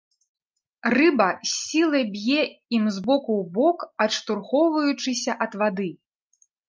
Рыба з сілай б'е ім з боку ў бок, адштурхоўваючыся ад вады.